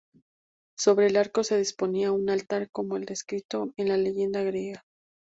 Sobre el arco se disponía un altar como el descrito en la leyenda griega.